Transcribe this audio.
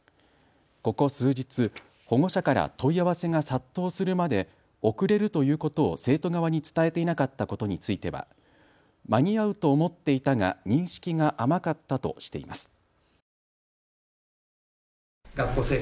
ここ数日、保護者から問い合わせが殺到するまで遅れるということを生徒側に伝えていなかったことについては間に合うと思っていたが認識が甘かったとしています。